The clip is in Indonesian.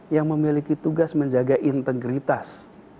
yang memiliki tugas menjaga integritas